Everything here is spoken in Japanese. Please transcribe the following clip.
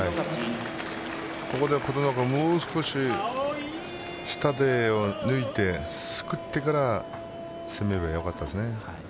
ここで琴ノ若、もう少し下手を抜いてすくってから攻めればよかったですね。